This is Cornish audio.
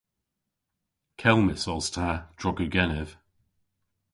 Kelmys os ta, drog yw genev.